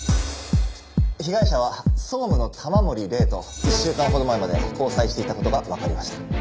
被害者は総務の玉森玲と１週間ほど前まで交際していた事がわかりました。